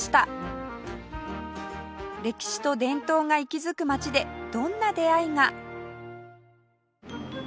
歴史と伝統が息づく街でどんな出会いが？